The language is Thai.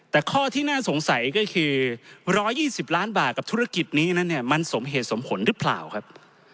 แต่ข้อที่น่าสงสัยก็คือ๑๒๐ล้านบาทกับธุรกิจนี้นั้นเนี่ยมันสมเหตุสมผลหรือเปล่าครับ